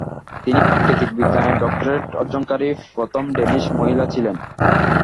তিনি প্রাকৃতিক বিজ্ঞানে ডক্টরেট অর্জনকারী প্রথম ডেনিশ মহিলা ছিলেন।